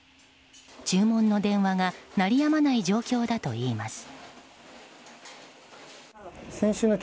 注文の電話が鳴りやまない状況だといいます。